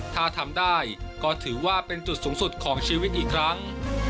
ถ้าทำได้ก็ถือว่าเป็นจุดสูงสุดของชีวิตอีกครั้ง